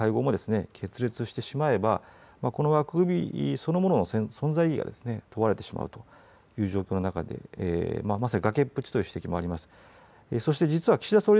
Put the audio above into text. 今回の会合も、決裂してしまえば枠組みそのものという存在意義が問われてしまうという状況の中でまさに、崖っぷちという指摘もあります。